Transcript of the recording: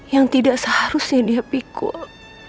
yang tidak seharusnya dia pikul